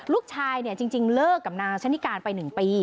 ลูกชายเนี่ยจริงเลิกกับนางชะนิการไป๑ปี